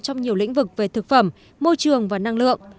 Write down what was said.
trong nhiều lĩnh vực về thực phẩm môi trường và năng lượng